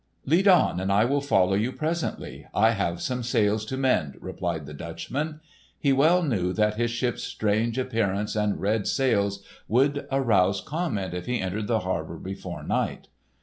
"Lead on, and I will follow you presently. I have some sails to mend," replied the Dutchman. He well knew that his ship's strange appearance and red sails would arouse comment if he entered the harbour before night.